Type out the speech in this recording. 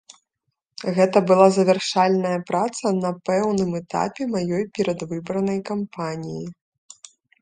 Гэта была завяршальная праца на пэўным этапе маёй перадвыбарнай кампаніі.